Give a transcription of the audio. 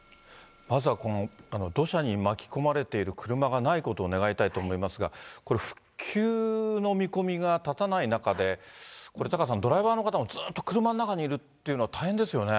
まずはこの土砂に巻き込まれている車がないことを願いたいと思いますが、これ、復旧の見込みが立たない中で、これ、タカさん、ドライバーの方もずっと車の中にいるっていうのは大変ですよね。